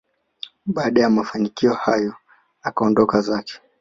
baada ya mafanikio hayo akaondoka zake